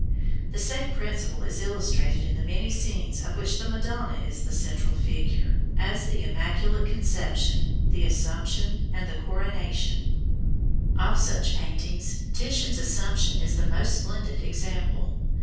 The same principle is illustrated in the many scenes of which the Madonna is the central figure, as the Immaculate Conception, the Assumption, and the Coronation. [Illustration: FRAGMENT FROM THE ASSUMPTION. TITIAN.] Of such paintings, Titian's Assumption is the most splendid example.